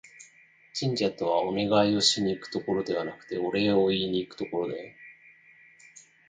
神社とは、お願いをしに行くところではなくて、お礼を言いにいくところだよ